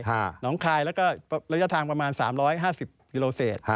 หนองคายระยะทางประมาณ๓๕๐กิโลเซต